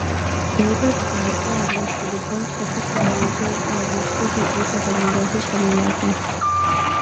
როგორც გაირკვა აღნიშნული ქვა მცხეთის გალავანზე იყო აღმართული და დროთა განმავლობაში ჩამოვარდა.